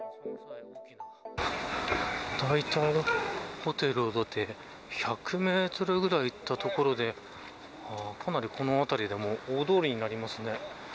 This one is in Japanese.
だいたい、ホテルを出て１００メートルくらい行った所でかなりこの辺りは大通りになります。